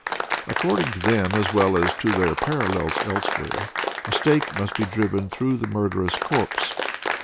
According to them, as well as to their parallels elsewhere, a stake must be driven through the murderous corpse.